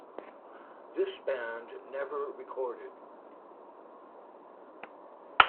This band never recorded.